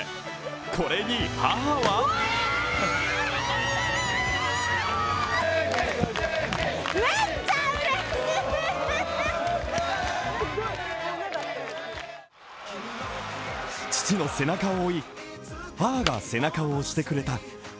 これに母は父の背中を追い、母が背中を押してくれた。